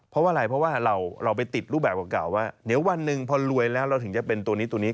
เพราะว่าอะไรเพราะว่าเราไปติดรูปแบบเก่าว่าเดี๋ยววันหนึ่งพอรวยแล้วเราถึงจะเป็นตัวนี้ตัวนี้